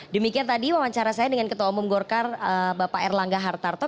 demikian tadi wawancara saya dengan ketua umum golkar bapak erlangga hartarto